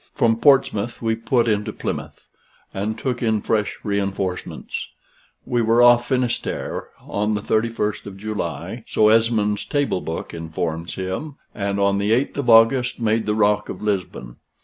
From Portsmouth we put into Plymouth, and took in fresh reinforcements. We were off Finisterre on the 31st of July, so Esmond's table book informs him: and on the 8th of August made the rock of Lisbon.